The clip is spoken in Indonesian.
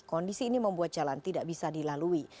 kondisi ini membuat jalan tidak bisa dilalui